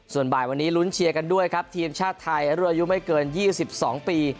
ส่วนบ่ายวันนี้ลุ้นเชียร์กันด้วยครับทีมชาติไทยรุ่นอายุไม่เกิน๒๒ปี